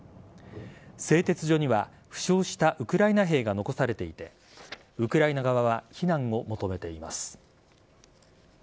製鉄所には負傷したウクライナ兵が残されていてウクライナ側は避難を求めています。